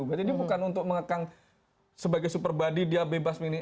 jadi bukan untuk mengekang sebagai super body dia bebas